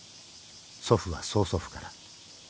祖父は曽祖父から］